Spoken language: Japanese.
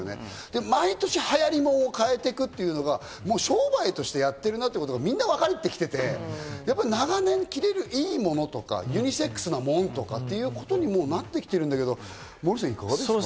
毎年、流行り物を変えていくっていうのが、もう商売としてやってるなということをみんな分かってきていて、長年着られるいい物とか、ユニセックスなものとか、ということにもうなってきてるんだけど、モーリーさん。